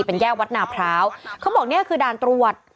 เป็นแยกวัดนาพร้าวเขาบอกเนี่ยคือด่านตรวจ